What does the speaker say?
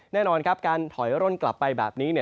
แน่นอนครับการถอยร่นกลับไปแบบนี้